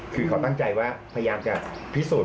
คือเขาตั้งใจว่าพยายามจะพิสูจน